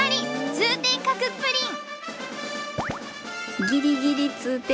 通天閣プリン！